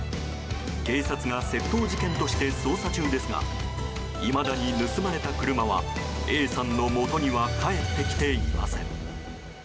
警察が窃盗事件として捜査中ですがいまだに盗まれた車はＡさんのもとには返ってきていません。